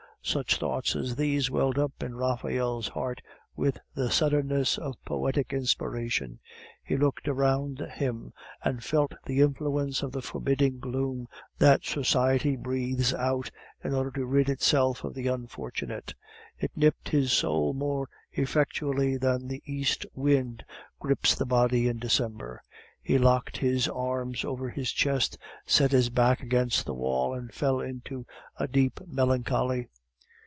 Such thoughts as these welled up in Raphael's heart with the suddenness of poetic inspiration. He looked around him, and felt the influence of the forbidding gloom that society breathes out in order to rid itself of the unfortunate; it nipped his soul more effectually than the east wind grips the body in December. He locked his arms over his chest, set his back against the wall, and fell into a deep melancholy.